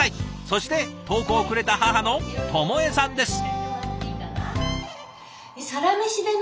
そして投稿をくれた母の朋恵さんです。